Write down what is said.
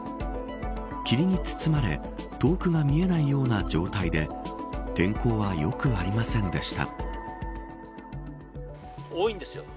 霧に包まれ遠くが見えないような状態で天候は良くありませんでした。